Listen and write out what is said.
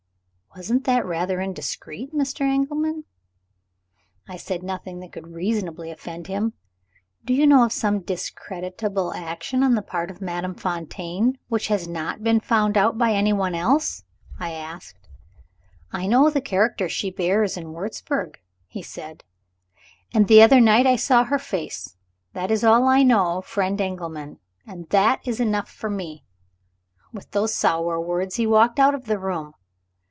"Wasn't that rather indiscreet, Mr. Engelman?" "I said nothing that could reasonably offend him. 'Do you know of some discreditable action on the part of Madame Fontaine, which has not been found out by anyone else?' I asked. 'I know the character she bears in Wurzburg,' he said; 'and the other night I saw her face. That is all I know, friend Engelman, and that is enough for me.' With those sour words, he walked out of the room.